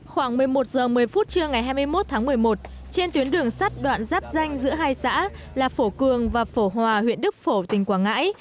khoảng một mươi một h một mươi phút trưa ngày hai mươi một tháng một mươi một trên tuyến đường sắt đoạn giáp danh giữa hai xã là phổ cường và phổ hòa huyện đức phổ tỉnh quảng ngãi